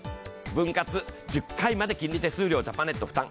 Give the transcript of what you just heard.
分割、１０回まで金利手数料ジャパネット負担。